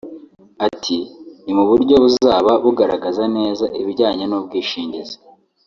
Ati “Ni mu buryo buzaba bugaragaza neza ibijyanye n’ubwishingizi